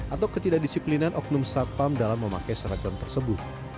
atau ketidakdisiplinan oknum satpam dalam memakai seragam tersebut